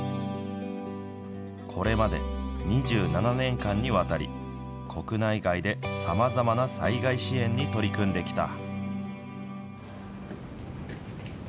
これまで２７年間にわたり、国内外でさまざまな災害支援に取り組んできた。